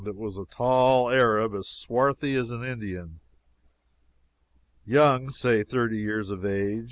It was a tall Arab, as swarthy as an Indian; young say thirty years of age.